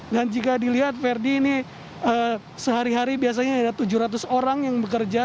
dan jika dilihat ferdi ini sehari hari biasanya ada tujuh ratus orang yang bekerja